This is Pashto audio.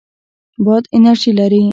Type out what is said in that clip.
باد انرژي لري.